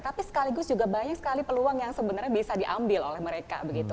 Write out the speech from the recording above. tapi sekaligus juga banyak sekali peluang yang sebenarnya bisa diambil oleh mereka begitu